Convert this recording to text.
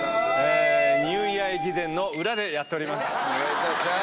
ニューイヤー駅伝の裏でやっております。